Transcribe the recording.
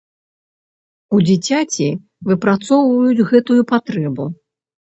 У дзіцяці выпрацоўваюць гэтую патрэбу.